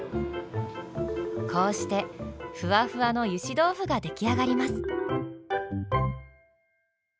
こうしてふわふわのゆし豆腐が出来上がります。